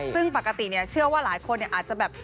ซึ่งปกติเนี่ยเชื่อว่าหลายคนอาจจะแบบ